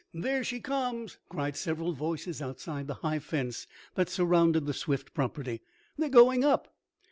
There she comes!" cried several voices outside the high fence that surrounded the Swift property. "They're going up!"